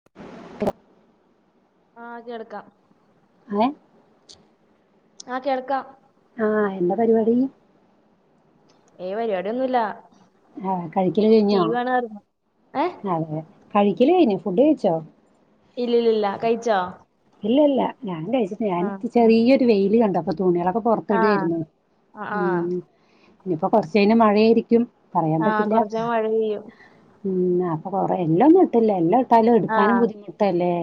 [inaudible] ആഹ് കേൾക്കാം ഏഹ് ആഹ് കേൾക്കാം ആഹ് എന്താ പരിപാടി ഏഹ് പരിപാടിയൊന്നുമില്ല ആഹ് കഴിക്കല് കഴിഞ്ഞോ ഏഹ് അതെ കഴിക്കല് കഴിഞ്ഞു ഫുഡ് കഴിച്ചോ ഇല്ല ഇല്ല കഴിച്ചോ ഇല്ല ഇല്ല ഞാൻ കഴിച്ചിട്ടില ആഹ് ഞാന ചെറിയൊരു വെയില് കണ്ടു അപ്പൊ തുണികളൊക്കെ ആഹ് പുറത്തിടായിരുന്നു ആഹ് ആഹ് ഉം ഇനിയിപ്പോ കൊറച്ച് കഴിഞാൽ മഴയായിരിക്കും പറയാൻ ആഹ് പറ്റില്ല കൊറച്ചഴിഞ്ഞാ മഴ പെയ്യും ഉം അപ്പൊ കൊറേ എല്ലാംന്നും ഇട്ടില്ല എല്ലാം ഇട്ടാലും എടുക്കാനും ആഹ് ബുദ്ധിമുട്ടല്ലേ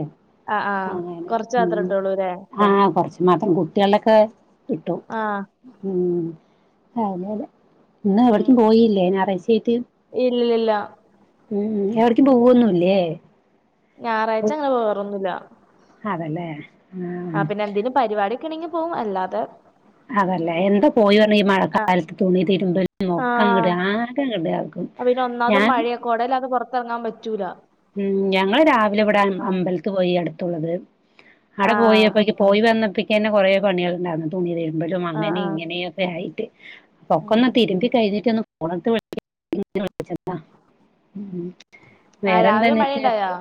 ആഹ് ആഹ് കൊറച്ച മാത്ര ഇട്ടള്ളൂല്ലേ ആഹ് കുറച്ച് മാത്രം കുട്ടിയോൾടെക്കെ ഇട്ടു ആഹ് ഉം ഇന്ന് എവിടേക്കും പോയില്ലേ ഞായറാഴ്ച ആയിട്ട് ഇല്ലി ഇല്ലില്ല ഉം എവിടക്കും പോവൊന്നൂല്ലേ ഞായറാഴ്ച അങ്ങനെ പോവാറൊന്നുല്ല അതല്ലേ ആ. ആഹ് പിന്നെ എന്തിലും പരിപാടിയൊക്കെണെങ്കി പോകും അല്ലാതെ അതല്ല എന്താ പോയി പറഞ്ഞ ഈ ആഹ് മഴക്കാലത്ത് തുണി തിരുമ്പ ഒക്കെ അങ്ങട്ട് ആകെ കിടാക്കും പി ഒന്നാതും മഴയാകൊടല്ലാതെ പുറത്തിറങ്ങാൻ പറ്റൂല ഉം ഞങ്ങള് രാവിലെ ഇവിടെ ആഹ് അമ്പലത്ത് പോയി അടുത്തുള്ളത് അവിടെ ആഹ് പോയപ്പോ പോയി വന്നപ്പ തന്നെ കൊറെ പണികൾ ഉണ്ടായിരുന്നു തുണി തിരുമ്പലും ആഹ് അങ്ങനെ ആഹ് ഇങ്ങനെയ ഒക്കെ ആയിട്ട് പൊ ഉം ഒക്കൊന്ന് തിരുമ്പി കഴിഞ്ഞിട്ട [unintelligible] ഉം ആഹ് രാവിലെ വേറെന്താന്നിട്ട് മഴയിണ്ടായോ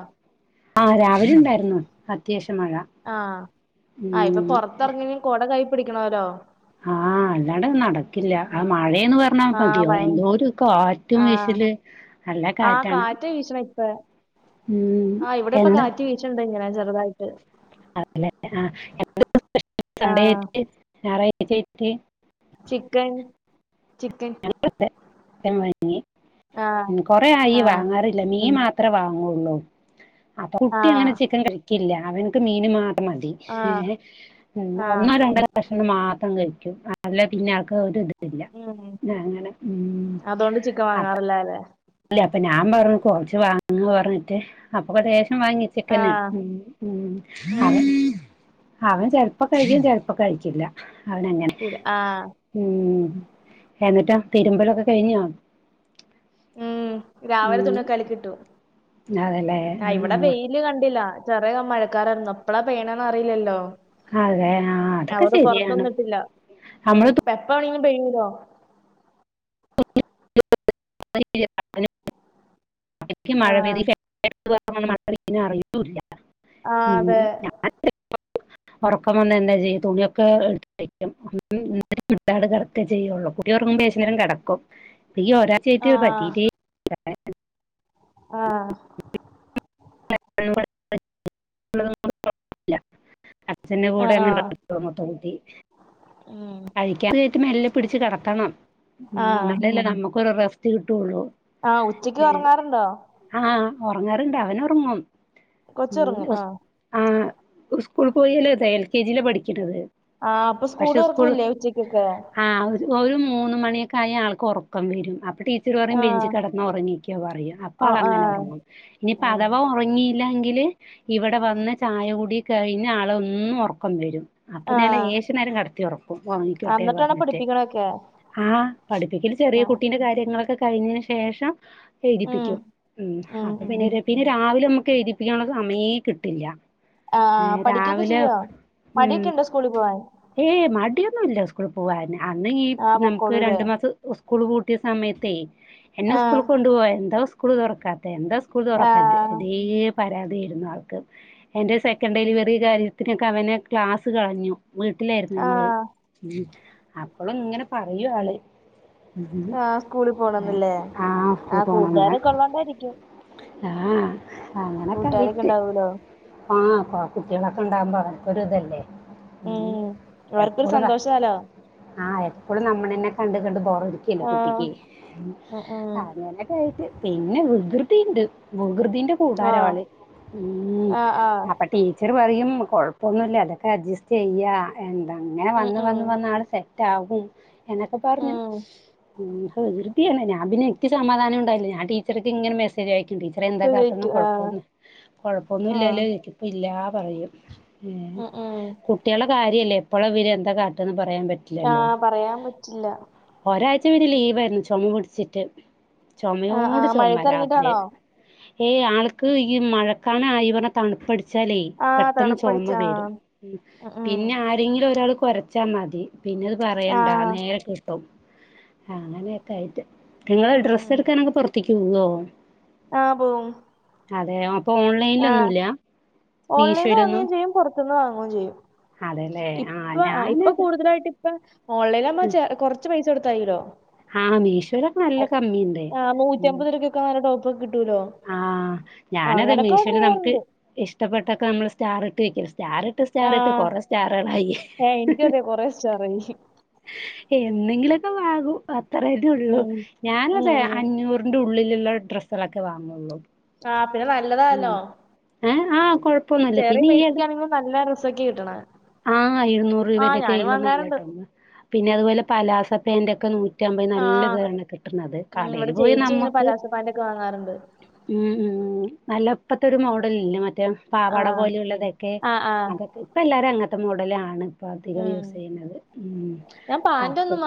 ആഹ് രാവിലെ ഉണ്ടായിരുന്നു അത്യാവശ്യം മഴ ആഹ് ആഹ് ഇപ്പൊ ഉം പൊറത്തിറങ്ങും കൊട കൈ പിടിക്കണോല്ലോ ആഹ് അല്ലണ്ട് നടക്കു ക്കില്ല ആഹ് മഴയന്ന് പറഞ്ഞാ ആ മതിയോ ഭയ എന്തോരകാറ്റും വീശല് നല്ല ആഹ് കാറ്റാണ് കാറ്റ് വീശണിപേ ഉം എന്ത ഇങ്ങനെ ചെറുതായിട്ട് [unintelligible] എന്താ ഇന്ന് ആ സ്പെഷല് ഞായറാഴ്ച ആയിട്ട് ചിക്കൻ ചിക്കൻ ഇവിടെ അതെ ചിക്കൻ വാങ്ങി ആ കുറെ ആയി ആ വാങ്ങാറില്ല മീൻ മാത്രം ത്ര വാങ്ങുള്ളൂ അപ്പൊ ആ കുട്ടി അങ്ങനെ ചിക്കൻ കഴിക്കില്ല അവന്ക്ക് മീന് മാത്രം മതി ആ ഏഹ് ഉം ആ ഒന്നോ രണ്ടോ കക്ഷണം മാത്രം കഴിക്കും അതില്ല പിന്നെ ആർക്ക് ഒരു ഇത് ഇല്ല ഉം അങ്ങനെ ഉം ക്ക് വാങ്ങാറില്ല അല്ലേ അല്ലെ അപ്പൊ ഞാൻ പറഞ്ഞു കുറച്ച് വാങ്ങാ പറഞ്ഞിട്ട് അപ്പൊ ലേശം വാങ്ങി ആ ചിക്കന് ഉം ഉം ഉം അവൻ ചെിലപ്പോ കഴിക്കും ചെിലപ്പോ കഴിക്കില്ല അവൻ അങ്ങന ആഹ് ഉം എന്നിട്ടാ തിരുമ്പലൊക്കെ കഴിഞ്ഞ ഉം രാവിലെ ഉം. തുണിയൊകെ അലകിട്ടു അതല്ലേ ആഹ് ഇല് കണ്ടില്ല ചെറിയ മഴക്കാരായിരുന്നു അപ്പളാ പെയണ് അറീല്ലല്ലോ ആ അതെ ആ അതൊക്കെ അവടെ ശരിയാണ് പൊറത്തൊന്നിട്ടില്ല ഉം നമ്മള് എപ്പാണെും പെയ്യുല്ലോ ആ മഴ പെയ്തി [inaudible] പിന്നെ അറിയൂല്ല ആ ഉം [unintelligible] [inaudible] ഉറക്കം വന്ന എന്താ ചെയാ തുണിയൊക്കെ എടുത്ത് വെകും [unintelligible] ഒ ചെയ്യുള്ളൂ കുടിയ ഉറങ്ങുമ്പേശേരം കിടക്കും ഈ ആ ഒരാഴ്ച പറ്റീട്ട [inaudible] [inaudible] ആ അച്ഛന ആ കൂടെ ആ അങ്ങ മൊത്തം കൂട്ടി ഉം. കഴിക്കാൻ നേരത്ത് മെല്ലെ പിടിച്ച് കിടത്തണം ഉം ആഹ് എന്നാലല്ലേ നമുക്കൊരു റെസ്റ്റ് കിട്ടുള്ളൂ. ആഹ് ഉച്ചയ്ക്ക് ഒറങ്ങാറുണ്ടോ? ആഹ് ഉറങ്ങാറുണ്ട് അവന് ഉറങ്ങും ഉം. കൊച്ചൊറങ്ങും ആഹ് ആഹ് സ്കൂൾ പോയല്ലേ താ എൽ. K G. യിൽ പഠിക്കേണ്ടത് പഠിക്ക്ണത്. ആഹ് അപ്പൊ സ്കൂൾ- ആഹ് ഒരു മൂന്ന് മണിയൊക്കെ ആയാ ആൾക്ക് ഉറക്കം വരും അപ്പ ടീച്ചർ - പറയും ബെഞ്ചി ആഹ് കിടന്ന് ഉറങ്ങിക്കോ പറയും അപ്പ ആൾ ആഹ് അങ്ങനെ ഉറങ്ങും ഇനിപ്പ ആഹ് അഥവാ - ഉറങ്ങിയില്ലങ്കില് ഇവിടെ വന്ന് ചായ കുടി കഴിഞ്ഞ ആള് ഒന്ന് ഉറക്കം വരും. അപ്പൊ ഞാൻ ആഹ് ലേശം നേരം കടത്തി ഉറക്കും ഉറങ്ങിക്കോട്ടെ അന്നിട്ടാണോ പറഞ്ഞിട്ട്. പഠിപ്പിക്കണൊക്കെ ആഹ് പഠിപ്പിക്കുന്ന ചെറിയ ആഹ് കുട്ടീന്റെ കാര്യങ്ങളൊക്കെ കഴിഞ്. ശേഷം ഉം എഴുതിപ്പിക്കും ഉം അപ്പൊ പിന്നീട് - പിന്നെ രാവിലെ നമ്മുക്ക് എഴുതിപ്പിക്കാനുള്ള സമയേ കിട്ടില്ല. ആഹ് പഠിക്കുകൊക്കെ രാവിലെ ചെയ്യോ? മടിയൊക്കെ ഉണ്ടോ സ്കൂളിൽ പോവാൻ? ഏഹ് മടിയൊന്നുല്ല സ്കൂളിൽ പോവാന് അന്ന് ഈ ആഹ് നമുക്ക് പൊക്കോളൂല്ലേ രണ്ടു മാസം- സ്കൂൾ പൂട്ടിയ സമയത്തേ എന്നെ സ്കൂൾ ആഹ് കൊണ്ടു പോ എന്താ സ്കൂൾ തുറക്കാത്ത. എന്താ സ്കൂൾ തുറക്കാത്തെ? ആഹ് അതേ പരാതിയായിരുന്നു ആൾക്ക് എൻ്റെ സെക്കൻഡ് ഉം ഡെലിവറി കഴിഞ്ഞു ത്തിനൊക്കെ അവന് ക്ലാസ്സ് കളഞ്ഞു വീട്ടിലായിരുന്നു ഞങ്ങൾ. ആഹ് അപ്പളുംങ്ങനെ പറയും ആള്. ആഹ് സ്കൂളി പോണംന്നില്ലേ [unintelligible] ആഹ് [unintelligible] കൂട്ടുകാരൊക്കെ ഒള്ളോണ്ടായിരിക്കും ആഹ് അങ്ങനൊക്കെ കൂട്ടുകാരൊക്കെ ആയിട്ട്. ഇണ്ടാവൂലോ ആഹ് കുട്ടികളൊക്കെ ഉണ്ടാകുമ്പോ അതൊക്കൊരു ഇതല്ലേ? ഉം അവർക്കൊരു സന്തോഷായോ? ആഹ് എപ്പളും നമ്മളന്നെ കണ്ട് കണ്ട് ബോറടിക്കല്ലെ ആഹ് കുട്ടിക്ക് ഉം ഉം അങ്ങനെ. യിട്ട് പിന്നെ വികൃതി ഉണ്ട് വികൃതിന്റെ - കൂടാരാ ആഹ് ആള്? ഉം ആഹ് ആഹ് അപ്പ. ടീച്ചർ പറയും കുഴപ്പമൊന്നുല്ല അതൊക്കെ അഡ്ജസ്റ്റ് ചെയ്യ എന്താ. അങ്ങനെ ഉം വന്ന് ഉം വന്ന് വന്ന് അങ്ങട്ട് സെറ്റാകും എന്നൊക്കെ പറഞ്ഞു. ഉം ഉം വികൃതിയാണ് ഞാൻ പിന്നെ ഇക്കി സമാധാനം ഉണ്ടായില്ല ഞാൻ ടീച്ചർക്ക് ഇങ്ങനെ മെസ്സേജ് അയക്കും ടീച്ചർ എന്താ കാട്ടണ് ചോദിക്കും ആഹ് കൊഴപ്പൊന്നും കൊഴപ്പൊന്നും ആഹ് ഇല്ലല്ലോന്ന്ചോദിക്കും ഇല്ലാ പറയും. ഉം ഉം കുട്ട്യാളെ കാര്യല്ലേ എപ്പഴാ ഇവര് എന്താ കാട്ടാന്ന് പറയാൻ പറ്റി ആഹ്, പറയാൻ പറ്റില്ല. ഒരാഴ്ച പിന്നെ ലീവായിരുന്നു ചോമ പിടിച്ചിട്ട് ആഹ് ചുമയോട് ആഹ് ചോമ രാത്രി മഴയത്തിറങ്ങിട്ടാണോ ഏഹ് ആൾക്ക് ഈ മഴക്കാണ ആയി പറഞ്ഞ തണുപ്പടി ച്ചാലേയ് ആഹ് പെട്ടന്ന് തണുപ്പടിച്ച ചൊമ വരും, ആഹ് ഉം ഉം പിന്നെ ആരെങ്കിലും ഒരാൾ കൊരച്ചാ മതി. പിന്നെത് പറയണ്ടാ ആഹ് നേരെ കിട്ടും അങ്ങനെ ക്കായിട്ട്, നിങ്ങള് ഉം ഉം ഡ്രസ്സ് എടുക്കാനൊക്കെ പുറത്തേക്കോവ്വോ? ആഹ് പോവും. അതെയോ. ആഹ്, ഓൺലൈന്ന് മീഷോയിലൊന്നും വാൻങ്ങേചെയ്യും, പൊർത് ന്ന് വാങ്ങും ചെയ്യും. അതെല്ലേ ഇപ്പൊ ആഹ് ഇപ്പൊ ഞാനത് കൂടുതലായിട്ട് ഇപ്പ ഓൺലൈലാവുമ്പോ ചേ കൊർച്ച് പൈസ കൊടുത്തായീല്ലോ. ആഹ് മീശോലൊക്കെ നല്ല കമ്മിണ്ട് മ്മ്ഹ്. [unintelligible] ടോപ്പ് കിട്ടോല്ലോ. ആഹ്, ഞാനതെന്നേ മീഷോൽ നമുക്ക് ചെയ്യാറുണ്ട് ഇഷ്ടപ്പെട്ടൊക്കെ നമ്മള് സ്റ്റാർ ഇട്ട് വെക് സ്റ്റാർ എട്ട് സ്റ്റാറിട്ട് ആഹ് കൊറെ സ്റ്റാറ്ളായി. ഏഹ് എനിക്കും അതെ കൊറേ സ്റ്റാറായി. എന്തെങ്കിലൊക്കെ വാങ്ങു അത്രക്കെ ഉള്ളൂ ഉം ഉം ഞാനതെ ഉം അഞ്ഞൂറ് അയ്ന്റു ഉള്ളില്ള്ള ഡ്രസ്സുകളൊക്കെ വാങ്ങൊള്ളൂ. ആഹ് പിന്നെ നല്ലതാല്ലോ, ഏഹ് ആഹ് കൊഴപ്പൊന്നുല്ല ചെറിയേ പിന്നെ ഈ ഇട പൈസക്കാണെങ്കിലും നല്ല റസ്സൊക്കി കിട്ട്ണെ. ആഹ് ഇരുന്നൂറ് രൂപന്റെ കയ്യിൽ ഒന്നും ഇല്ലാട്ടോ പിന്നെയതു പോലെ പലാസ പാന്റൊക്കെ നൂ നൂറ്റമ്പത് നല്ല ആഹ് താണ് കിട്ട്ണത് ഉം ഇവിടെ കടേല് പോയി ചേച്ചി ഇങ്ങനെ നമ്മെക്ക് പലാസോ പാന്റൊക്കെ വാങ്ങാറുണ്ട്. ഉം ഉം നല്ലപ്പത്തെ ഒരു മോഡലില്ലേ മറ്റേ പാവാട ആഹ് പോലുള്ളതെക്കെ ആഹ് ആഹ് അപ്പൊ ഇപ്പ എല്ലാരും അങ്ങൻത്തെ മോഡലാണ്. പ്പാർത്തിക്കാൻ ഉം യൂസ് ചെയ്യുന്നത് ഉം അപ്പം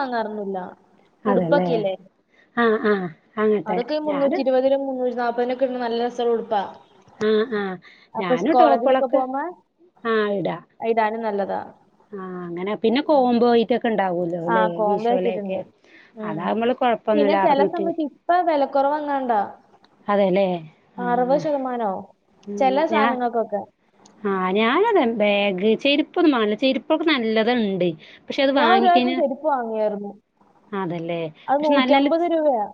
ഉടുപ്പ്ക്കില്ലേ? ആഹ് ആഹ്. അങ്ങത്തെ അതൊക്കെ ഞാന് മുന്നൂറ്റിയിരുപതിനും മുന്നൂറ്റിനാപ്പതിനൊക്കെ [unintelligible] നല്ല രസള്ള ഉടുപ്പാ. ആഹ് ആഹ്, അപ്പൊ സ് ഞാനും ടോപ്പൊളൊക്കെ ആഹ് ഇടാ. അയ്ടാനും നല്ലതാ. ആഹ് അങ്ങനെ പിന്നെ കോംമ്പോ ഐറ്റംക്കെ ഉണ്ടാവും. അതാലേ ആഹ് കോംബോ മീഷോലേക്കെ, ആക്കിയിട്ടുണ്ട്. അതാമ്മള് കൊഴപ്പൊന്നുല്ല അറന്നൂറ്റി പ്പ വെലക്കൊറവ് എങ്ങാണ്ടാ അതെല്ലേ അറുപത് ആഹ് ശതമാനോ ഉം ചെലേ ഞാൻ സാനങ്ങൾക്കൊക്കെ. ആഹ് ഞാനതാ ബാഗ് ചെരുപ്പൊന്നു വാങ്ങ [unintelligible] ചെരുപ്പെക്കെ നല്ലത്ണ്ട്. പക്ഷെ അത് ഞാൻ ഒരു പ്രാവശ്യം വാങ്ങിക്കഴിഞാ ചെരുപ്പ് വാങ്ങിയായിരുന്നു അതല്ലേ, പക്ഷെ നല്ല ല്ല യാ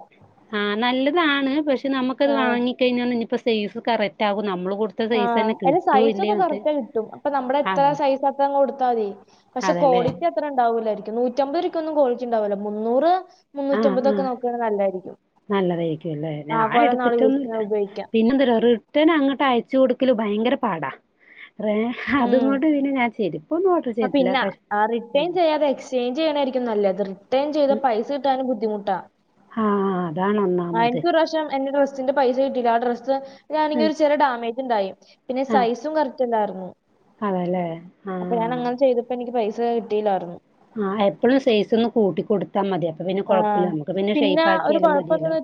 ആഹ് നല്ലതാണ്, പക്ഷെ നമ്മക്കത് ആഹ് വാങ്ങിക്കഴിഞ്ഞാ ഇനിയിപ്പോ സെയ്‌സ് കറക്റ്റ് ആവോ നമ്മെള് കൊടു ആഹ് അത് സൈസൊക്കെ കറക്റ്റേ കിട്ടും, അപ്പൊ നമ്മെടെ എത്ര അതെ സൈസാ ത്ര കൊടുത്താതി പക്ഷെ അതെല്ലേ ക്കൊളിറ്റി ത്രണ്ടാവുല്ലാരിക്കും നൂറ്റമ്പ് രൂക്കൊന്നും കൊളിറ്റിയുണ്ടാവൂല മുന്നൂറ് മുന്നൂറ്റമ്പതൊക്കെ നോക്കുവാണേ നല്ലാര്ക്കും. നല്ലതായിക്കുയല്ലേ ഞാൻ എടുത്തിട്ടൊന്നുല്ല ഉപയോഗിക്കാം. പിന്നെന്തെര് ഒരു ഉടനെ അങ്ങോട്ട് അയച്ച് കൊടുക്കല് ഭയങ്കര പാടാ റേ അതുകൊണ്ട് ഇതിന് ഞാൻ ചേരും. പ്പ പിന്നെ ആ റിട്ടേൺ ചെയ്യാതെ എക്സ് ചേഞ്ച് ചെയ്യാണാരിക്കും നല്ലത് റിട്ടേൺ ചെയ്താ പൈസ കിട്ടാനും ബുദ്ധിമുട്ടാ. ഹാ ആഹ്, എൻക്കൊരു പ്രാവിശ്യം എന്റെ ഡ്രസ്സ സിന്റെ പൈസ കിട്ടില്ല, ആ ഡ്രസ്സ് ആണെങ്കി ഉം ഒരു ചെറിയ ഡാമേജ് ഉണ്ടായി പിന്നെ ആഹ് സൈസും കറക്റ്റല്ലാരുന്നു. അതല്ലേ അപ്പൊ ഞാൻ ആഹ് അങ്ങനെ ചെയ്തപ്പോ എനിക്ക് പൈസ കിട്ടില്ലാരുന്നു. ആഹ് എപ്പളും സൈസൊന്ന് കൂട്ടി കൊടുത്താ മതിയ പ്പ പിന്നെ കൊഴപ്പില്ല. ആഹ്. നമ്മെക്ക് പിന്നെ ഒരു ഷയ്പ്പാക്കിയാലും മതിയല്ലോ.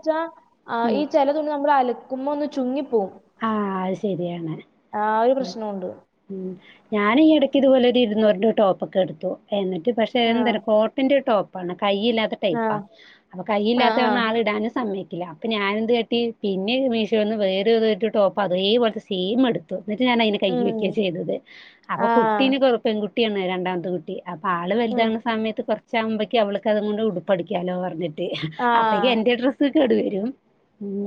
ഉം പിന്നെ നമ്മെള് അലക്കെമ്പോ ഒന്ന് ചുങ്ങിപ്പോം. ആഹ് അത് ശരിയാണ് പ്രശ്നോണ്ട്. ഉം ഞാനിടെക്ക് ഇതുപോലൊരു ഇരുന്നൂറിന്റെ ടോപ്പെക്കെ എടുത്തു. എന്നിട്ട് പക്ഷെ ആഹ് എന്തെര് കോട്ടിന്റെ ടോപ്പാണ്. കൈയില്ലാത്ത ടൈപ്പാ. ആഹ് അപ്പൊ ആഹ് ആഹ് കയ്യില്ലാത്തെന്ന് ആള് ഇടാനും സമ്മയിക്കില്ല. അപ്പ ഞാനെന്ത് കാട്ടി പിന്നെ മീഷോന്ന് വേറേതോ. ഒരു ടോപ്പ് അതേ പോലെത്തെ സെയിം ഇടും. എന്നിട്ട് ഞാനയിന് കൈ ഉം വെയ്ക്ക ഉം ചെയ്തത്. അപ്പൊ ആഹ് കുട്ടീന് കു പെൺകുട്ടിയാണ് രണ്ടാമത്തതും. അപ്പൊ ആള് ഉം വെലുതാവുന്ന സമയത്ത് കൊറച്ചാകുമ്പേക്ക്, അവൾക്ക് അത് കൊണ്ട് ഉടുപ്പടിക്കാലോ പറഞ്ഞിട്ട്. അപ്പക്കേ ആഹ് എന്റെ ഡ്രസ്സൊക്കെ കേടു വെരും.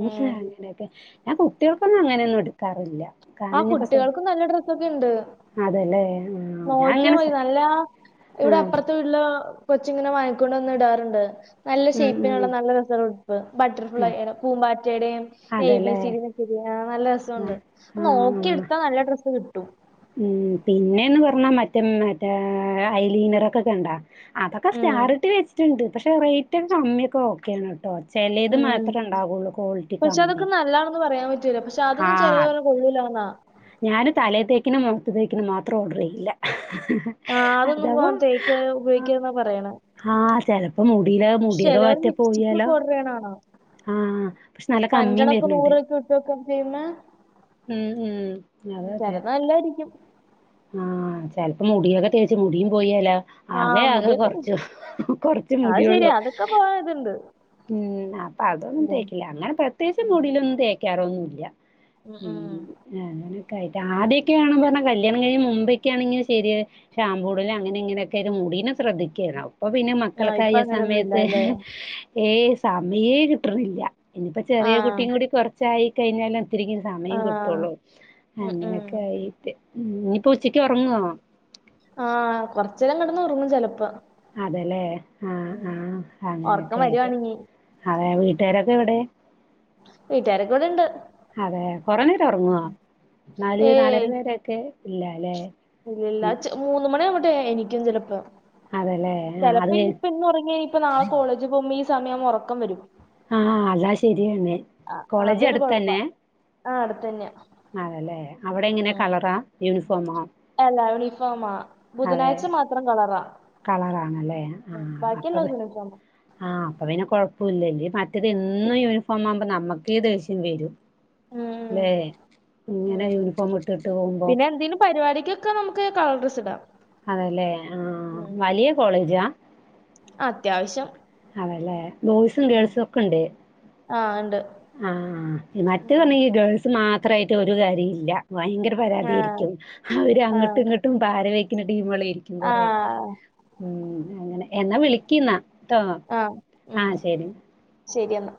ഉം ടോപ്പെന്നങ്ങനെ [unintelligible] ആ കു ട്ട്യാള്ക്ക് നല്ല ഡ്രെസ്സൊക്കെ ഉണ്ട്. അതല്ലേ ആഹ് ഞാൻ നോക്കിയാൽ അങ്ങനെ സ മതി നല്ലെ ഇവെടെ ആഹ് അപ്പുറത്തെ വീ ല് കൊച്ചുങ്ങനെ വാങ്ങിക്കൊണ്ടു വന്നിടാറണ്ട്. നല്ല ഉം ഉം ഷേപ്പിനൊള്ള നല്ല രസള്ള ഉട്പ്പ്. ആഹ് ബട്ടർഫ്ലൈയുടെ പൂമ്പാറ്റയുടെയും എ ബി അതല്ലേ സിടെ ശരിയാ. നല്ല രസമൊണ്ട് ആഹ് നോക്കി ആഹ് എടുത്താ നല്ല ഡ്രസ്സ് കിട്ടും. ഉം പിന്നേന്ന് പറഞ്ഞാ മറ്റേ മറ്റേ ഐലീനറെക്കെ കണ്ടാ? അതൊക്കെ ഉം സ്റ്റാറിട്ട് വെച്ചിട്ടുണ്ട്. പക്ഷെ റേറ്റക്കെ കമ്മിയൊക്കെ ഓക്കെയാണ് കേട്ടോ. ചെലേത് മാത്രമേ ഉണ്ടാവുള്ളൂ ക്വാളിറ്റി കമ്മി. നല്ലാണെന്നും പറയാൻ പറ്റൂല പക്ഷെ അതൊന്നും ആഹ് ചെലോലർഞ്ഞ് കൊള്ളൂലാന്നാ ഞാന് തലേത്തേക്കിനെ മോത്ത്തേക്കിനെ മാത്രം ഓർഡറെയ്യില്ല ആഹ് അതൊന്നും തേക്ക് ഉപേഗിക്ക്ന്നാ പറയ്ണെ ആഹ് ചെലപ്പോ മുടിയില് മുടിയൊക്കെ ചെലോര് പറ്റെ പോയാലോ ലിപ്സ്റ്റിക്കൊക്കേ ഓട്റെയ്യ്ണാണാ ആഹ് പക്ഷെ നല്ല കമ്മിയും അഞ്ചണ്ണെക്കെ വരുന്നുണ്ട് നൂറൊക്കെ ഇട്ട് വെക്കാ ചെയ്യുന്നേ ഉം ഉം അതെ അതെ ചെലത് നല്ലായിരിക്കും ആഹ് ചെൽപ്പോ മുടിയൊക്കെ തേച്ച് മുടിയും പോയാലോ ആകെ ആഹ് ആകെ മുടിയൊക്കെ ഉം, കൊർച്ചു കൊർച്ച് അത് മുടിയൊള്ളു ശരിയാ അതൊക്കെ പോവാൻ ഇതുണ്ട് ഉം അപ്പ അതൊന്നും ഉം തേക്കില്ല അങ്ങനെ പ്രത്യേകിച്ച് മുടീലൊന്നും തേക്ക ക്യാറൊന്നുല്യാ ഉം അങ്ങൊനക്കായിട്ട് ആദ്യൊക്കേണ്ന്നർഞ്ഞാ കല്യാണം കഴിഞ്ഞ മുമ്പൊക്കേണെങ്കി ശെരിയാ ഷാമ്പൂടലും അങ്ങനെ ഇങ്ങനൊക്കായിട്ട് മുടീനെ ശ്രദ്ധിക്കേനാവും. ഇപ്പൊ പിന്നെ ആഹ് ഇപ്പൊ മക്കളൊക്കായ അങ്ങനൊന്നും സമയത്ത് ഇല്ലാല്ലേ ഏ സമയേ കിട്ട്ണ്ല്ല ഇനിയിപ്പോ ചെറിയ ആഹ് കുട്ടിം കൂടി കൊർച്ചായി കഴിഞ്ഞാല് ഒത്തിരിക്ക്ന്നു സമയം ആഹ് കിട്ടൊള്ളൂ ഉം ഉം അങ്ങനൊക്കായിട്ട് ഇനിയിപ്പൊ ഉച്ചക്ക്യ് ഒറങ്ങോ? ആഹ് കൊർച്ച് നേരം കെടന്നൊറങ്ങും ചെലപ്പോ അതെലേ ആഹ് ഉം ആഹ് ഒറക്കം അങ്ങനൊക്കായിട്ട് വരുവാണെങ്കി അതെ, വീട്ടുകാരൊക്കെ എവിടെ? വീട്ടുകാരൊക്കെ ഇവിടെണ്ട് അതെ കൊറെ നേരം ഒറങ്ങോ നാല് നാലര വെരെ ഒക്കെ ഇല്ലാലെ ഇല്ലല്ലോ മൂന്ന് മണിയാവട്ടെ എണീക്കും ചെലപ്പോ അതെല്ലേ ആഹ് ചെലപ്പോ അത് കഴി ഇനിയിപ്പ ഇന്ന് ഒറങ്ങ്യാപ്പൊ നാളെ കോളേജ് പോകുമ്പോ ഈ സമയ ഒറക്കം വരും. ആഹ് അതാ ശെരിയാന്നെ ആഹ് കോളേജ് അതൊരു കൊഴപ്പാ അട്ത്തന്നെ ആഹ് അടുത്തന്ന്യ അതേലെ അവിടെ എങ്ങനെ കളറാ യൂണിഫോമോ? അല്ല യൂണിഫോമാ അതെ ബുധനാഴ്ച മാത്രം കളറാ കളറാണല്ലേ ആഹ് അപ്പൊ പി ബാക്കിയെല്ലാം യൂണിഫോമാ ആഹ് അപ്പൊ പിന്നെ കൊഴപ്പൂല്ല മറ്റേത് എന്നും ഉം യൂണിഫോമാ ആവുമ്പോ നമ്മുക്ക് ദേശ്യം വെരും. ഉം ല്ലെ ഇങ്ങനെ ഉം യൂണിഫോമ് ഇട്ട്ട്ട് പോവുമ്പോ പിന്നെ എന്തേലും പരിപാടിക്കൊക്കെ നമുക്ക് കള്ർഡ്രെസ്സ്ടാ അതേലേ ആഹ്, വലിയ കോളേജാ? ആ, അത്യാവശ്യം അതേലെ ബോയ്സും ഉം ഗേൾസും ഒക്കെണ്ട് ആഹ് ഇണ്ട് ആഹ് മറ്റേ ഉം പർഞ്ഞാ ഈ ഗേൾസ് മാത്രായിട്ട് ഒരു കാര്യേ ഇല്ല ഭയങ്കര പരാതി ആഹ് ആയിരിക്കും അവര് അങ്ങട്ടും ആഹ് ഇങ്ങട്ടും പാര വെക്ക്ണ ടീമേളായിരി ക്കും കൊറേക്കെ ആഹ് ഉം അങ്ങനെ എന്നാ വിളിക്ക്ന്നാ ആഹ് ഉം ശെരി എന്നാ